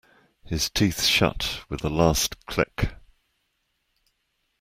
His teeth shut with a last click.